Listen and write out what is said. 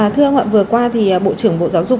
thưa ông vừa qua thì bộ trưởng bộ giáo dục